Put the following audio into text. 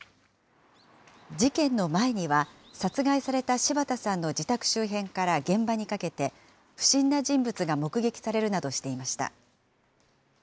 事件の前には、殺害された柴田さんの自宅周辺から現場にかけて、不審な人物が目撃されるなどしていました。